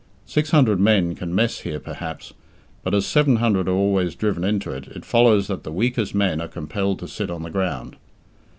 Six hundred men can mess here perhaps, but as seven hundred are always driven into it, it follows that the weakest men are compelled to sit on the ground.